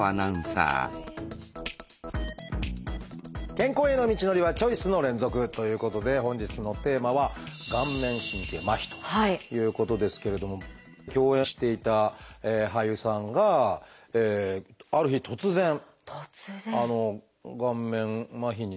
健康への道のりはチョイスの連続！ということで本日のテーマは共演していた俳優さんがある日突然顔面麻痺になってみたいなことをおっしゃられて。